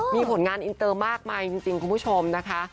มีผลงานอินเตอร์มากมายจริงคุณผู้ชมนะคะ